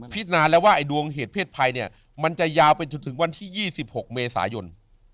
นาแล้วว่าไอดวงเหตุเพศภัยเนี่ยมันจะยาวไปจนถึงวันที่๒๖เมษายน